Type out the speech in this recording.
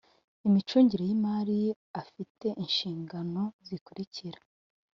imicungire y imari afite inshingano zikurikira